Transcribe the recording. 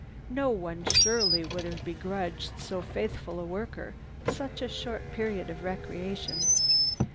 No one surely would have begrudged so faithful a worker such a short period of recreation.